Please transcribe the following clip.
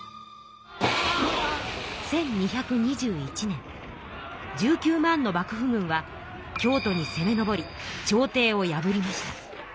１２２１年１９万の幕府軍は京都にせめ上り朝廷を破りました。